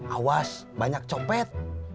awas banyak copet